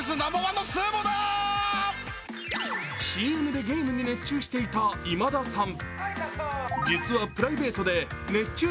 ＣＭでゲームに熱中していた今田さん。